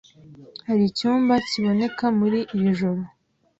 Hari icyumba kiboneka muri iri joro?